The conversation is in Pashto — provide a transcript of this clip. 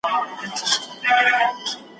د ارغنداب سیند د ماشومانو لپاره د لوبو ځای دی.